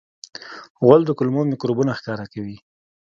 غول د کولمو میکروبونه ښکاره کوي.